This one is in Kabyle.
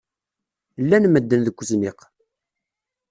Llan medden deg uzniq.